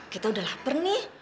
kita udah lapar nih